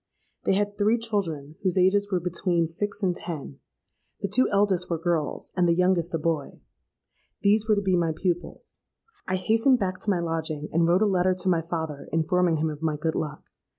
They had three children, whose ages were between six and ten: the two eldest were girls, and the youngest a boy. These were to be my pupils. I hastened back to my lodging, and wrote a letter to my father informing him of my good luck.